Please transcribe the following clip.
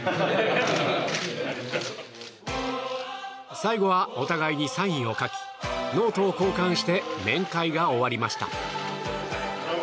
最後はお互いにサインを書きノートを交換して面会が終わりました。